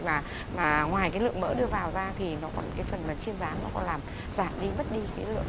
mà ngoài cái lượng mỡ đưa vào ra thì nó còn cái phần chiên rán nó còn làm giảm đi bất đi khí lượng